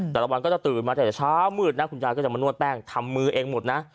แต่ละวันก็จะตื่นมาแต่เช้ามืดนะคุณยายก็จะมานวดแป้งทำมือเองหมดนะ